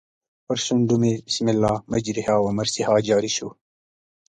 پر شونډو مې بسم الله مجریها و مرسیها جاري شو.